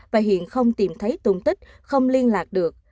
và hiện không tìm thấy tùng tích không liên lạc được